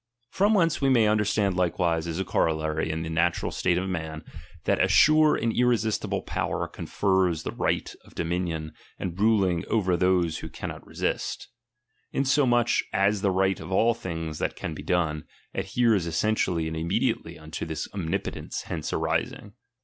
From whence we may understand likewise as a co rollary in the natural state of men, that a sure and irresistible power confers the right of dominion and ruling over those who cannot resist ; inso mach, as the right of all things that can be done, adheres essentially and immediately unto this om nipotence hence arising.